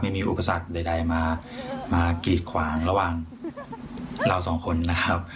อุปสรรคใดมากีดขวางระหว่างเราสองคนนะครับ